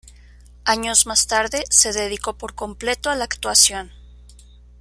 Años más tarde, se dedicó por completo a la actuación.